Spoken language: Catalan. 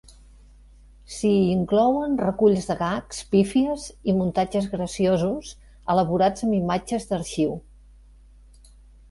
S'hi inclouen reculls de gags, pífies i muntatges graciosos elaborats amb imatges d'arxiu.